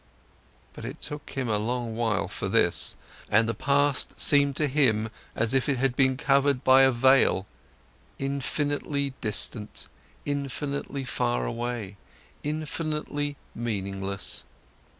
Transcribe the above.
But it took him a long while for this, and the past seemed to him as if it had been covered by a veil, infinitely distant, infinitely far away, infinitely meaningless.